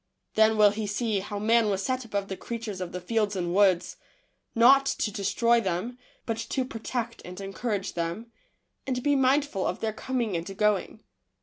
Then will he see how man was set above the creatures of the fields and woods, not to destroy them, but to protect and en courage them, and be mindful of their coming and going.